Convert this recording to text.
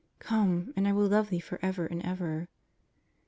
Come, and I will love Thee forever and ever!"